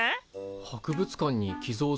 博物館に寄贈するとか？